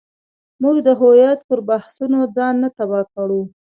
موږ د هویت پر بحثونو ځان نه تباه کړو.